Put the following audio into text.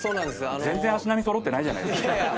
全然足並み揃ってないじゃないですか。